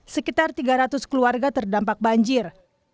sekitar tiga ratus keluarga terdampak banjir